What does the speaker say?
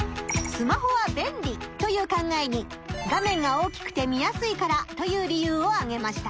「スマホは便利」という考えに「画面が大きくて見やすいから」という理由をあげました。